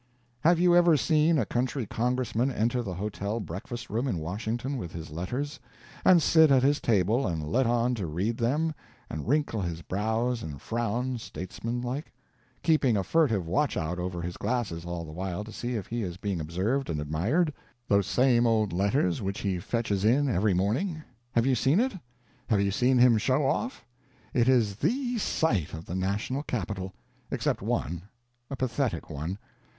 Have you ever seen a country Congressman enter the hotel breakfast room in Washington with his letters? and sit at his table and let on to read them? and wrinkle his brows and frown statesman like? keeping a furtive watch out over his glasses all the while to see if he is being observed and admired? those same old letters which he fetches in every morning? Have you seen it? Have you seen him show off? It is the sight of the national capital. Except one; a pathetic one.